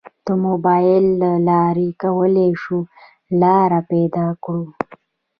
د موبایل له لارې کولی شو لار پیدا کړو.